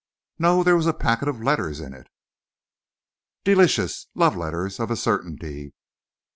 "No, there was a packet of letters in it." "Delicious! Love letters, of a certainty!